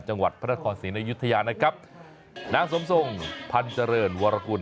จังหวัดพระนครศรีอยุธยานะครับนางสมทรงพันธ์เจริญวรกุล